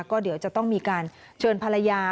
ก็เดี๋ยวจะต้องมีการเชิญภรรยา